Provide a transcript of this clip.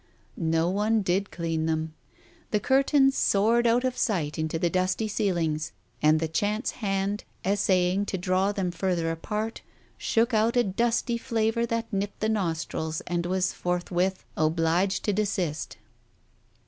No one did clean them. The curtains soared out of sight into the dusty ceilings and the chance hand, essaying to draw them further apart, shook out a dusty flavour that nipped the nostrils and was forthwith obliged to desist.